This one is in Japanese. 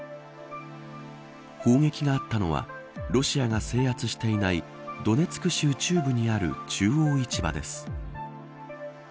砲撃があったのはロシアが制圧していないドネツク州中部にある中央市場です。